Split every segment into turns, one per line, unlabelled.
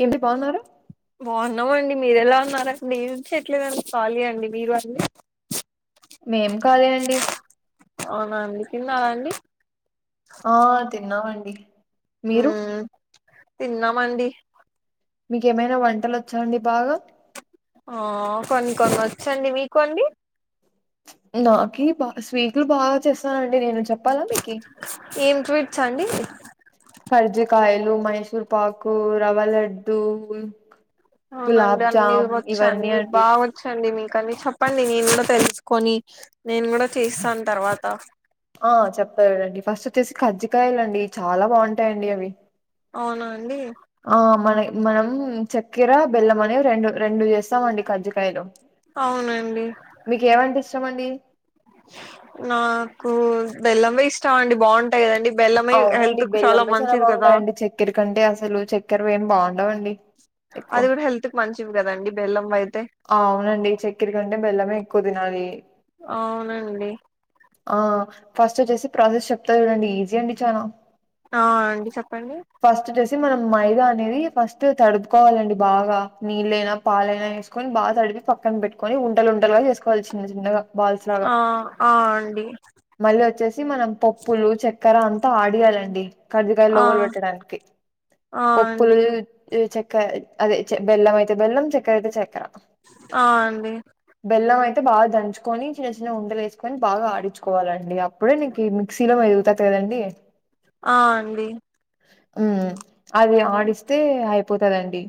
ఏమండి బాగున్నార
బాగున్నామండి మీరు ఎలా ఉన్నారండి ఏం చేయట్లెదండి ఖాళీ అండి మీరు అండీ
నేను ఖాళీ అండి
అవున అండి తిన్నార అండి
ఆ తిన్నామండి మీరు
మ్మ్ తిన్నామండి
మీకు ఏమైనా వంటలు వచ్చా అండి బాగా
ఆ కొన్ని కొన్ని వచ్చండి మీకు అండి
నాకి బా స్వీట్లు బాగా చేస్తానండి నేను చెప్ప
ఏం స్వీట్స్ అండి
కర్జికయాలు మైసూర్ పాకు రవ్వలడ్డు
అవునండి అన్నీ వచ్చాండి మీకు
అండి
బాగా వచ్చండి మీకు కనిసం చెప్పండి నేను కూడా తెలుసుకొని నేను కూడా చేస్తాను తర్వాత
ఆ చెప్పలండి ఫస్ట్ వచ్చేసి కజ్జికయలుండి చాలా బాగుంటాయండి అవి
అవునా అండి
ఆ మన మనం చక్కెర బెల్లం అనే రెండు రెండు చేస్తామండి కజ్జికయలు
అవునండి
చ్చమండి
నాకు బెల్లంమే ఇష్టమండి బావుంటాయ్ గదండిప్
అవునండి బెల్లం పెసరే బావుంటాయండి. చక్కెర కంటే అసలు చక్కెరవేం బావున్ లావండి ఎక్కువ
ఇవ్ గదండి బెల్లం వైత్
ఆ అవునండి చక్క్కెర కంటే బెల్లమే ఎక్కువ దినాలి.
అవునండి
ఆ ఫస్ట్ వచ్చేసి ప్రాసెస్ చెప్తా చూడండి. ఈజీ అండి చాలా
ఆ అండి చెప్పండి.
ఫస్ట్ వచ్చేసి మనం మైదా అనేది ఫస్ట్ తడుపుకోవాలండి. బాగా నీళ్ళైనా పాలైనా ఏస్ కొని బా తడిపి పక్కన బెట్టుకొని ఉంటల్ ఉంటలుగా జేసుకోవాలి చిన్న చిన్నగా బాల్స్ లాగా
ఆ ఆ అండి
మళ్ళీ వచ్చేస్ ఈ మనం పప్పులు చక్కెర అంతా ఆడియాలండి. కర్జీకాయల్
ఆ
లోబల్ పెట్టడానికి
ఆ
పప్పులు
అండి
ఈ చెక్ కాద్ అదే బెల్లం అయితే బెల్లం, చక్కెర అయితే చక్కెర.
ఆ అండి.
తే బా దంచుకొని చిన్న చిన్న ఉండలు ఏసుకొని బాగా ఆడించుకోవాలండి. అప్పుడే నీకు ఈ మిక్సీలో మెదుగుతద్ తే రాండియే
ఆ అండి.
ఊమ్ అది ఆడిస్తే అయిపోతదండి.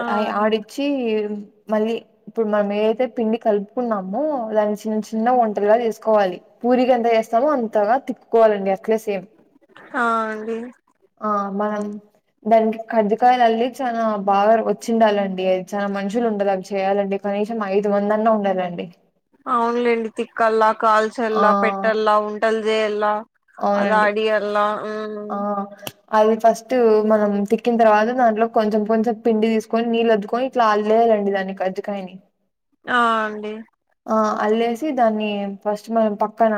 ఆ
అయ్ ఆడిచిమ్ మళ్ళీ ఇప్పుడు మనం ఏదైతే పిండి కలుపుకున్నామో దాని చిన్న చిన్న ఉంటలుగా జేసుకోవాలి. ఊరిగ్ ఎంత ఏస్తామో అంతగా తిప్పుకోవాలండి అట్లే సేమ్
ఆ అండి
ఆ మనం దానికి కర్జకాయలు అల్లి చానా బాగా వచ్చిండాలండి అవి చాలా మనుషులు ఉండాల్ అవి చేయాలంటే కనీసం ఐదు మంది అన్నా ఉండాలండి.
అవునులేండి. తిక్కల్లా
ఆ
కాల్చల్లా పెట్టల్లా ఉంటల్ జేయల్లా అది
అవునండి
ఆడియా అలా ఉహ్
ఆ అది ఫస్ట్ మనం తిక్కిన్ తర్వాత దాంట్లో కొంచెం కొంచెం పండి దిసుకొని నీళ్ళు అద్దుకొని ఇట్లా ఆల్ లేదండి. దాని కజ్జి కాయని
ఆ అండి.
ఆ అల్లేసి దాన్ని ఫస్ట్ మనం పక్కన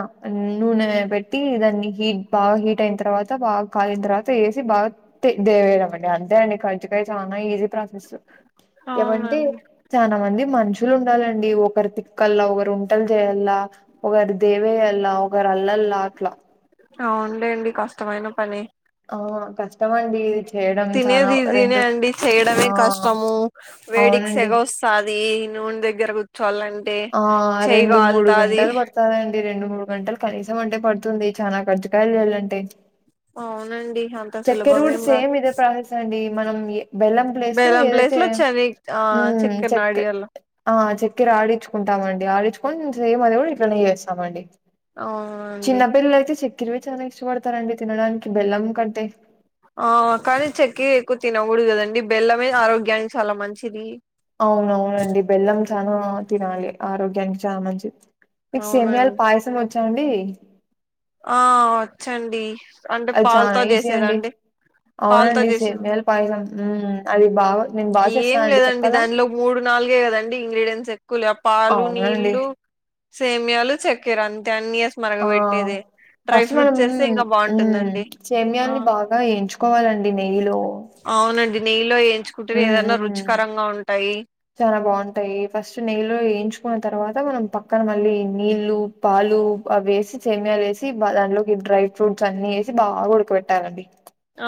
నూనె బెట్టి దాన్ని హీట్ బాగ హీట్ అయిన్ తర్వాత్ త బాగా కాలిన్ తర్వాత ఏసి బాగ తే దేవేయడం అంతే అండి కజ్జికాయ చానా ఈజీ ప్రాసెసు. ఏవంటే
అవునండి
చానా మంది మనుషు లుండాలండి. ఒకరు తిక్కల్లా ఒగరు వంటల్ జేయల్లా, ఒగరు దేవేయల్లా, ఒగరు అల్లల్ లా అట్లా
అవునులేండి కష్టమైన పనే
ఓ కష్టమండి.
తినేది ఈజీనే అండి, చేయడమే
ఆ
కష్టము వేడికి
అవునండి.
సెగ వసాది. నూన్ దగ్గర కూర్చోవాలంటే
ఆ!
చేయి గాళ్తాతాది.
రెండు మూడు గంటలు కనీసం అంటే పడుతుంది. చానా కజ్జకాయలు చేయాలంటే
అవునండి అంత
చక్కెర కూడా
సులభమేం కాదు
సేమ్ ఇదే ప్రాసెస్ అండి మనం ఏ బెల్లం ప్లేస్ లో
బెల్లం ప్లేస్
ఏదైతే
లో చని ఆ
ఉహ్
చక్కెర
చెక్
నాడియాల
ఆ చక్కెర ఆడించుకుంటామండి. ఆడించుకొని సేమ్ అది కూడా ఇట్లనే చేస్తామండి.
అవునండి.
తిరువచానా ఇష్టపడతారండి తినడానికి బెల్లం కంటే
పూడు కదండి. బెల్లమే ఆరోగ్యానికి చాలా మంచిది.
అవునవునండి. బెల్లం చానా తినాలి ఆరోగ్యానికి చా మంచిద్. మీకు సేమియాల
అవునండి
పాయసం వచ్చాండి
ఆ వచ్చండి అంటే
అది చాల
పాలతో
ఈజీ అండి
చేసేదండి పాలతో
అవునండి
చేసేది
సేమియాల పాయసం అది బాగా నేను బాగా
ఏం
చేస్తానండి
లేదండి
చెప్పాలా
దానిలో మూడు నాలుగే కదండి ఇంగ్రిడియంట్స్ ఎక్కువ లే పాలు
అవునండి.
నీళ్లు సేమయాలు చెక్కర అ టెన్ ఇయర్స్
ఆ!
మరగబెట్టేదే డ్రై
ఫస్ట్ మనం
ఫ్రూట్స్ ఏస్తే ఇంకా బాగుంటుందండి ఆ
సేమ్యాన్ని బాగా ఎంచుకోవాలండి నెయ్యిలో
అది నెయ్యిలో ఎ
మ్ ఉహుమ్ చాలా బాగుంటాయి ఫస్ట్ నెయ్యిలో ఎంచు న్న తర్వాత మనం పక్కన మళ్ళీ నీళ్లు పాలు అవి వేసి సేమియాలు వేసి దానిలోకి డ్రై ఫ్రూట్స్ అన్ని వేసి బాగా ఉడక పెట్టాలండి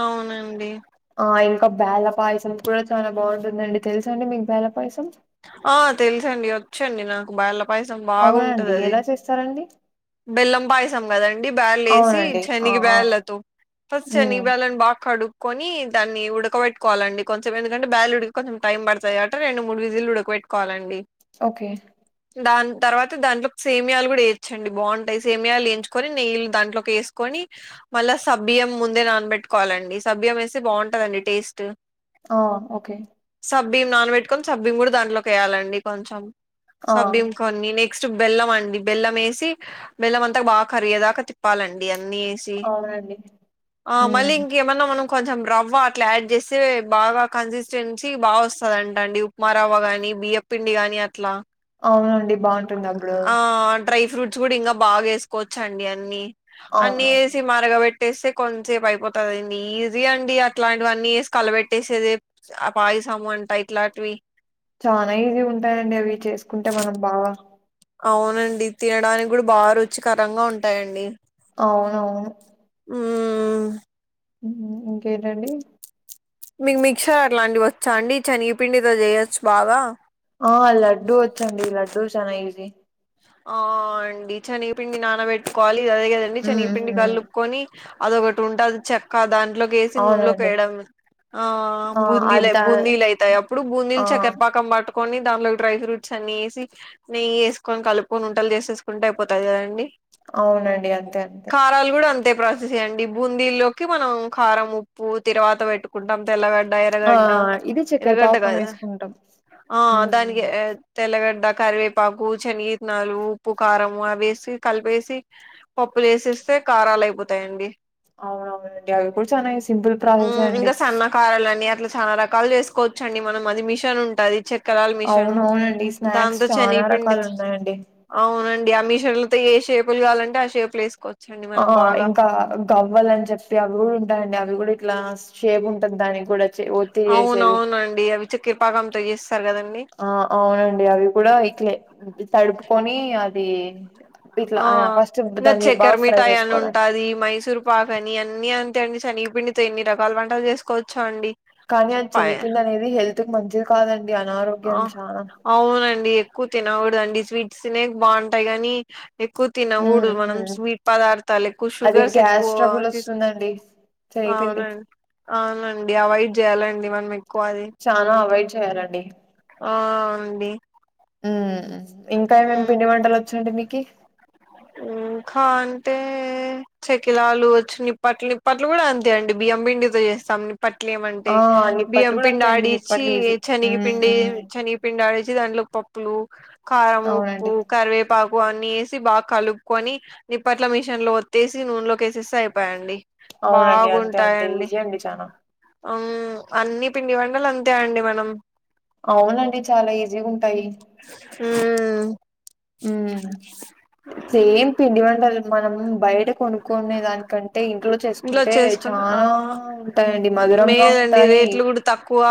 అవునండి
ఆ ఇంకా బేలపాయసం కూడా చాలా బాగుంటుందండి తెలుస అండి మీకు బేలపాయసం
ఆ తెలుసండి వచ్చండి నాకు బేలపాయసం
అవునా అండి.
బాగుంటది అది
ఎలా చేస్తారండి?
బెల్లం పాయసం కదండి బాల్ వేసి
అవునండి. ఆ!
శనిగి
ఆ!
బాళ్ళతో ఫస్ట్ సెనిగి
హ్మ్.
బాల్ ని బాగా కడు కొని దాన్ని ఉడకబట్కోవాలండి కొంచెం ఏందుకంటే బ్యల్ ఉడికి కొంచెం టైం పడుతాది కాబట్టి రెండు మూడు విజి ఉడకబెట్టుకోవాలండి
ఓకే
దాని తర్వాత దాంట్లో సేమయాలు కూడా వేచండి బాగుంటాయి సేమయాలు వేంచుకొని నెయ్యలుు దాంట్లో వేసుకొని మళ్ళా సబియంం ముందే నానబెట్టుకోవాలండి సబియంం వేస్తే బాగుంటందండి టేస్ట్
ఓ ఓకే
సబ్బీం నాన్ వెజ్ కొని సబ్బీం కూడా దాంలో వేయాలండి కొంచెం
ఆ!
సబ్బీం కొన్ని నెక్ నెక్స్ట్ బెల్ం అండి బెల్ం వేసి బెల్లం అంతా బా కరిగెదాకా తిప్పాలిండి న్నిసి
అవునండి.
మళ్ళ
హ్మ్.
ఇంకమన్నా మన కొంచెం రవ్వ అట్లా యాడ్ చేస్తే బాగా కన్సిస్టెన్సీ బా వస్తుందింట అండి మరావ గాని బియ్య పిండి గాని అట్లా
అవునండి బాగుంటుంది అప్పుడు
ఆ డ్రై ఫ్రూట్స్ కూడా ఇంకా బాగా వేసుకోవచ్చండి అన్ని అన్ని
అవునవును.
వేసి మరగబట్ పెట్టేస్తే కొంచసేపు అయిపోతుందిండి ఈజీ అండి అట్లాంటివన్నీ వేసి కలబెట్టేసేది సమ్ వాట్ టైమ్ ఇలాంటివి
చాలనా ఈజీ ఉంటాయంండి అవి చేసుకుంటే మనం బాగా
అవునండి తినడానికి కూడా బాగా రుచికరంగా ఉంటాయండి
అవునవును
ఆ
ఇంకేంటండి
మీకు మిక్సర్ అట్లాంటివి వచ్చా అండి శనిగిపిండితో చేయొచ్చు బాగా
ఆ లడ్డూ వచ్చండి లడ్డూ చనా ఈజీ
ఆ అండి శనిపిండి నానబెట్టుకోవాలి ఇది అదిగదండి
హ్మ్.
శనిపిండి
హ్మ్.
కలుపుకొని అదొ ఒకటి ఉంటుది చెక్క దాంట్లోకేసి నూనెలో
అవునండి.
పోయడం ఆ
ఆ!
బూందీలు
అద్ద
బూందీలు అయితాయి అప్పుడు
ఆ!
బూందీలు చక్కెరపాకం పట్టుకొని దానిలో డ్రై ఫ్రూట్స్ అన్నిేసి నెయ్యిేసుకొని కలుపుకొని ఉంటలు చేసేసుకుంటే అయిపోతాయి కదండి
అవునండి అంతే అంతే
కారాలు కూడా ప్రాసెస్ చేయండి బూందీల్లోకి మనం కారం ఉప్పు తరువాత పెట్టుకుంటాం తెల్లగ
ఆ!
ఎరగడ్డ
ఇది చక్కెర
ఎగడ్డద
పాకం ఏసుకుంటాం. హ్మ్.
దానికి తెల్లగడ్డ కవే పకుగుని నాలు ఉప్పు కారం అవిసి కలిపేసి పప్పులు వేసేస్తే కారాలు అయిపోతాయండి
అవునవునండి అవి కూడా చాల సింపుల్ ప్రాసెసే
మ్మ్
అండి
ఇంకా సన్న కారాలని అట్లా చాలా రకాలు చేసుకోవచ్చండి మనం అది మిషన్ ఉంటుంది చె కాల మిష్ర ను
అవునవునండి. స్నాక్స్
దాంంతో చని
చాలా
పిండ
రకాలున్నాయండి.
అవునండి ఆమష్వర్లతో ఏ షేపులు కావాలంటే ఆ షేపులు వేసు
ఆ ఇంకా గవ్వల్ అని చెప్పి అవి కూడా ఉంటాయండి అవి కూడా ఇట్లా షేప్ ఉంటంది దానికి కూడాఅచ్చి వత్తి చేసేవి
అవునవునండి అవి చక్కెరపాకంతో చేస్తారు కదండి
ఆ అవునండి అవి కూడా ఇట్లే తడుపుకొని అది ఇట్లా
ఆ
ఫస్ట్
ఇంకా
దాన్ని బాగా ఫ్రై
చక్కెరమిఠాయి అని
చేసుకోవాలండి
ఉంటాది మైసూర్ పాక అని అన్ని అ అండి శెనగపిండితో ఎన్ని రకాల వంటలు చేసుకోవచ్చొ అండి
కానీ అచ్చనగ
చెప్పాయే
పిండి అనేది హెల్త్ కి మంచిది కాదండి
అ
అనారోగ్యం చాలా
అవునండి ఎక్కువ తినకూడదండి స్వీట్స్ తినేకి బావుంటాయి గానీ ఎక్కువ
ఉమ్
తినకూడదు మనం
ఉమ్
స్వీట్ పదార్థాలు ఎక్కువ
అది
షుగర్స్
గ్యాస్
ఎక్కువ
ట్రబుల్
తీసుకు
వస్తుందండి శనగపిండి
అవునండి అవునండి అవాయిడ్ చేయాలండి మన
చానా అవాయిడ్ చేయ్యాలండి
ఆ అండి
మ్ ఇంకా ఏమేమి
ఉమ్
పిండి వంటలు వచ్చండి మీకి
ఇంకా అంటే చెకిలాలు వచ్చి నిప్పట్లు నిప్పట్లు కూడా అంతే అండి బియ పిండి తొ చేస్తాం నిప్ పట్లేమంటే
ఆ నిప్పట్లు
బియ్యం
కూడా
పిండి
అంతే అండి
ఆడించి
నిప్పట్లు ఈజీ ఉమ్
శనిగిపిండి
ఉమ్
శనిగిపిండి ఆడించి దాంట్లోపప్ ప్పు కారం ఉప్పు
అవునండి.
కరివేపాకు అన్నీ ఏసి బా కలుపుకొని నిప్పట్ల మిషన్ లో ఒత్తేేసి నూనెలోకేసేస్త అయిపోయాయండి
అవునండి. అంతే అంతే
బాగుంటాయండి
ఈజీ అండి చానా.
మ్ అన్ని పిండి వంటలు అంతే అండి మనం
అవునండి చాలా ఈజీ గా ఉంట
మ్
సేమ్ పిడివంటల్ మనం బయట కొనుకునె దానికి కం అయి ఇంట్లో చేసుకుంటే
చేసుకుంటా ఆ
చాలా ఉంటాయండి మధురంగా
మేలండి
ఉంటాయి
రేట్లు కూడా తక్కువ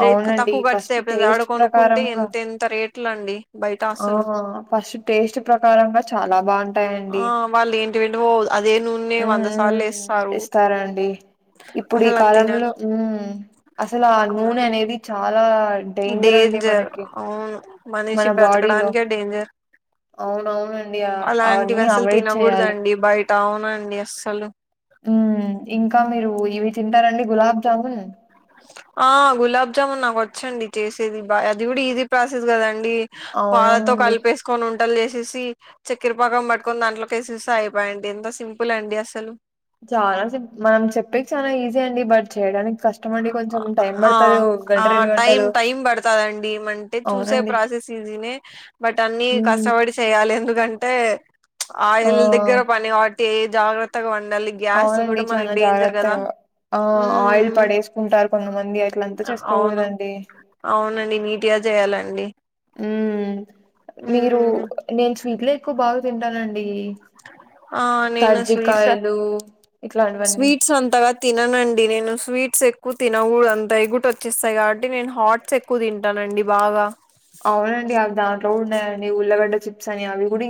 రేట్
అవునండి.
తక్కువ కొస్త
ఫస్ట్
[unintelligible] ఆడ
టేస్ట్
కొనుకుంటే
ప్రకారంగా
ఎంత ఎంత రేట్లుండి బయట అసలు
ఆ ఫస్ట్ టేస్ట్ ప్రకారంగా చాలా బావుం ఉంటాయండి
ఆ వాళ్ళు ఏంటివేంటివో అదే నూనె వంద సార్లు ఏస్తారు
ఇస్తారాండి ఇప్పుడు ఈ
అసలు అది
కాలంలో
తినాలి
ఉ అసలు ఆ నూనె అనేది చాలా డేంజర్ అ
ంజర్ అవును మనిష
బాడీలో.
బ్రతకడానికే డేంజర్
అవునవునండి ఆ అవన్నీ
అలాంటివి అసలు
అవాయిడ్ చేయాలి
తినకూడదండి బయట అవునండి అస్సలు
ఉ ఇంకా మీరు ఇవి తింటారండి గులాబ్ జాముూన్
ఆ గులాబ్జామున్ నాకు వచ్చండి చేసేది బాయ్ అది కూడా ఈజీ ప్రాసెస్ కదండి డి పాాలతో
అవునవునండి
కలిపేసుకొని వుండలు చేసేసి చక్క్కరపాకం పట్టుకొని దాంట్లోకిఎసెస్తే అయిపోయెండి ఎంత సింపుల్ అండి అస్సలు
చాలా సి మనం చెప్పేకి చాలా ఈజీ అండి బట్ చేయడానికి కష్టం అండి కొంచెం టైం
ఆ
పడుతది ఓ గంట
ఆ
రెండు
టైమ్
గంటలు
టైమ్ పడుతదండి అంటే చూసే
అవునండి
ప్రాసెస్ బట్ అన్ని
ఉమ్
కష్టపడి చేయాలి ఎందుకం టే
ఆ
ఆయిల్ దగ్గర పని వాటి జాగ్రత్తగా వం మళ్ళీ గ్యాస్
అవునండి
కూడా మనకి
చానా
డేంజర్ కదా
జాగ్రత్తగా ఆ ఆయిల్ పడేసుకుంటారు కొంతమంది అట్లంతా
అవును
చేసుకోకూడదండి
అవునండి నీట్గా చేయాల
ఉ మీరు
ఉమ్
నేను స్వీట్ లే ఎక్కువ బాగా తింటానండి
ఆ నేను స్వీట్స్
కర్జికాయలు ఇట్లాంటివన్నీ
స్వీట్స్ అంతగా తిననండి నేను స్వీట్స్ ఎక్ ఎక్కువ తినగూడదంట ఎగుట వచ్చేస్తాయి కాబట్టి నేను హాట్స్ ఎక్కువ తింటానండి బాగా
అవునండి అవి దాంట్లో కూడా ఉన్నాయండి ఉల్లగడ్డ చిప్స్ అని అవి కూడా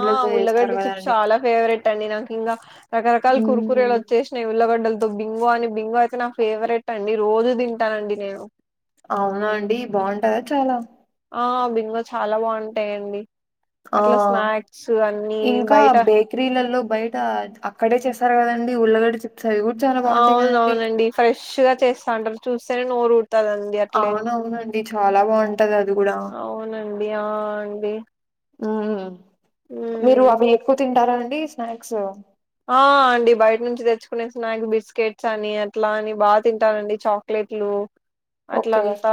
ఆ ఉల్లగడ్డ చిప్స్ చాలా ఫేవరెట్ అండి నాకు ఇంకా రకరకాల
హ్మ్.
కురుకురేలు వచ్చేసినాయి ఉల్లగడ్డలు బింగో అని బింగో అయితే నా ఫేవరెట్ అండి రోజు తింటానండి నేను
అవునా అండి బావుంటాయ చాలా
ఆ బింగో చాలా బావుంటాయండి
ఆ!
అట్లా స్నాక్స్ అన్ని
ఇంకా
బయట
బేకరీలలో బయట అక్కడే చేస్తారు కదండి ఉళ్ళగడ
అవున అవునండి ఫ్రెష్ గా చేస్తాంటారు చూస్తే నోరుూట్ వస్తుదండి అట్లే
అవునవునండి. చాలా బావుంటది అది గూడా.
అవునండి ఆ అండి
మీరు
ఉమ్
అవి ఎక్కువ తింటారా అండి స్నాక్స్
ఆ అండి బయట నుంచి తెచ్చుకునే స్నాక్ బిస్కెట్స్ అని అట్లా అని బాగా తింటానండి చాక్లెట్ ఎట్లు
ఓకే.
అట్లంతా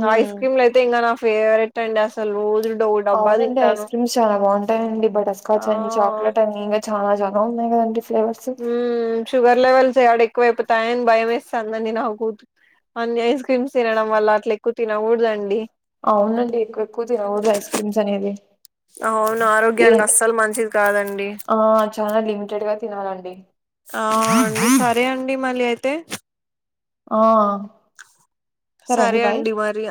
హ్మ్.
ఐస్ క్రీమ్లు అయితే ఇంకా నా ఫేవరెట్ అండి అ ౌ
అవునండి ఐస్ క్రీమ్స్ చాలా బాగుంటాయిండి
ఆ
బటర్స్కాచ్ అని చాక్లెట్ అని ఇంకా చాలా చ దండి
షుగర్ లెవెల్ చే అడే ఎక్కువైపోతాయని భయం వేస్తుందిండి నాకు కూతు అన్ని ఐస్ క్రీమ్స్ తినడం వల్ల అట్ల ఎక్కువ తినకూడదుబండి
అవునండి ఎక్కువ ఎక్కువ తినకూడదు ఐస్ క్రీమ్స్ అనేది
అవును
ఏ
ఆరోగ్యానికి అస్సలు మంచిది కాదండి
ఆ చాలా లిమిటెడ్ గా తినాలండి
ఆ సరే అండి మళ్ళీ అయితే
ఆ
సరే అండి మరి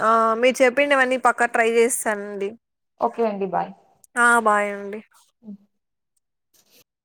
మీరు చెప్పిండ ఏవన్నీ పక్కా ట్రై చేస్తానండి
ఓకే అండి బాయ్
ఆ బాయ అండి